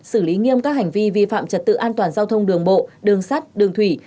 xử lý nghiêm các hành vi vi phạm trật tự an toàn giao thông đường bộ đường sắt đường thủy